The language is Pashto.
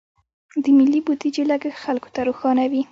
د ملي بودیجې لګښت خلکو ته روښانه وي.